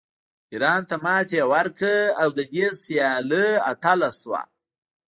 ایران ته ماتې ورکړه او د دې سیالۍ اتله شوه